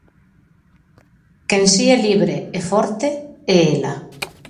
Quen si é libre, e forte, é ela.